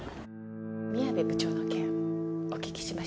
宮部部長の件お聞きしました。